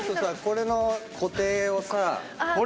これの固定をさ。